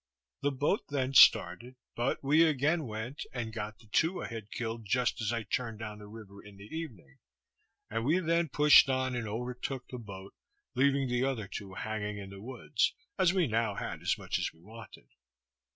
The boat then started, but we again went and got the two I had killed just as I turned down the river in the evening; and we then pushed on and o'ertook the boat, leaving the other two hanging in the woods, as we had now as much as we wanted.